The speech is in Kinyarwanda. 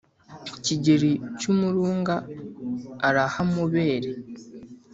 Kigeli cy'Umurunga arahamubere